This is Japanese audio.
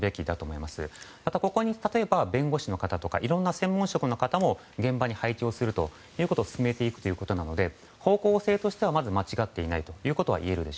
またここに、弁護士の方とかいろんな専門職の方も現場に配置をすることを進めているということなので方向性としては間違っていないといえます。